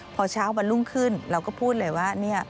พอเช้าวันรุ่งขึ้นเราก็พูดเลยว่า